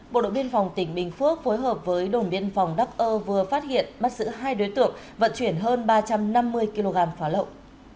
bộ đội biên phòng tỉnh bình phước phối hợp với đồng biên phòng đắk ơ vừa phát hiện mắt giữ hai đối tượng vận chuyển hơn ba trăm năm mươi kg phá lộng